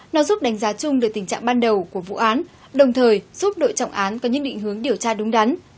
nó giúp đánh giá chung được tình trạng ban đầu của vụ án đồng thời giúp đội trọng án có những định hướng điều tra đúng đắn